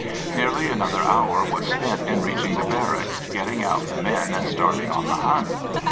Nearly another hour was spent in reaching the barracks, getting out the men, and starting on the hunt.